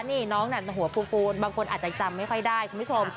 นี่น้องหัวฟูนบางคนอาจจะจำไม่ค่อยได้คุณผู้ชม